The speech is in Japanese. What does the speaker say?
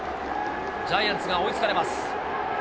ジャイアンツが追いつかれます。